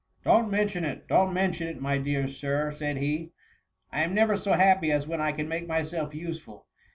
" Don't mention it ! donH mention it, my dear Sir !^' said he ; "I am never so happy as when I can make myself useful.